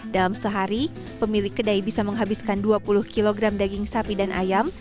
dalam sehari pemilik kedai bisa menghabiskan dua puluh kg daging sapi dan ayam